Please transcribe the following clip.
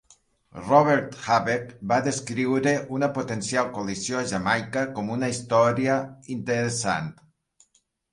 Robert Habeck va descriure una potencial coalició a Jamaica com una història interessant.